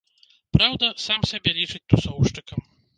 Праўда, сам сябе лічыць тусоўшчыкам.